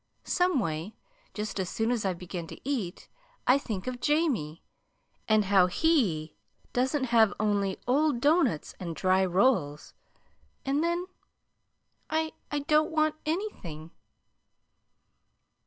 Some way, just as soon as I begin to eat, I think of Jamie, and how HE doesn't have only old doughnuts and dry rolls; and then I I don't want anything."